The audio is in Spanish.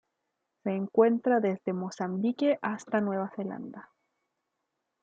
Se encuentra desde Mozambique hasta Nueva Zelanda.